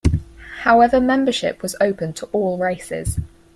However membership was open to all races.